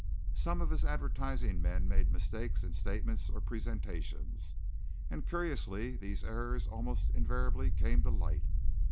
Some of his advertising men made mistakes in statement or presentation, and curiously these errors almost invariably came to light.